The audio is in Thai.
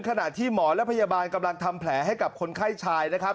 ขณะที่หมอและพยาบาลกำลังทำแผลให้กับคนไข้ชายนะครับ